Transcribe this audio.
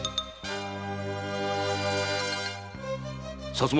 薩摩